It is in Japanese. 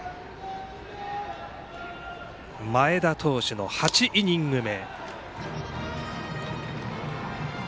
前田投手の８イニング目。